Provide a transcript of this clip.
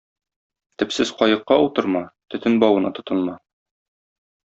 Төпсез каекка утырма, төтен бавына тотынма.